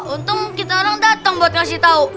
untung kita orang datang buat ngasih tau